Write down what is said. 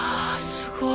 すごい。